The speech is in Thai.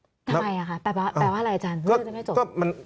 ทำไมคะแปลว่าอะไรอาจารย์เรื่องจะไม่จบ